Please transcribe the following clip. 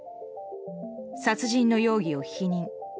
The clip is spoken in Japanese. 殺人の容疑を否認。